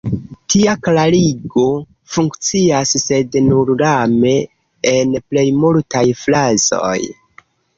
Tia klarigo funkcias, sed nur lame, en plej multaj frazoj.